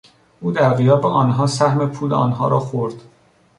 او در غیاب آنها سهم پول آنها را خورد.